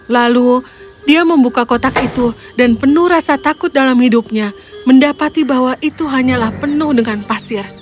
lalu dia membuka kotak itu dan penuh rasa takut dalam hidupnya mendapati bahwa itu hanyalah penuh dengan pasir